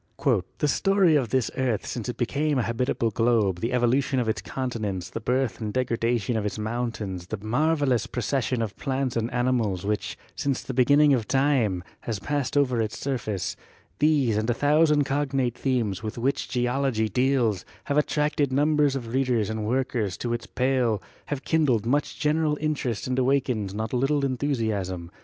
"The story of this earth since it became a habitable globe, the evolution of its continents, the birth and degrada tion of its mountains, the marvelous procession of plants and animals which, since the beginning of time, has passed over its surface — these and a thousand cognate themes with which Geology deals, have attracted numbers of readers and workers to its pale, have kindled much general interest and awakened not a little enthusiasm.